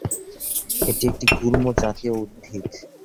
এটি একটি গুল্মজাতীয় উদ্ভিদ।